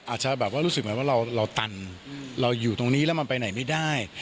อาจจะแบบว่ารู้สึกเหมือนว่าเราตันเราอยู่ตรงนี้แล้วมันไปไหนไม่ได้